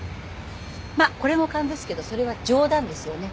まあこれも勘ですけどそれは冗談ですよね？